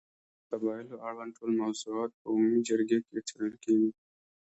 د قبایلو اړوند ټول موضوعات په عمومي جرګې کې څېړل کېږي.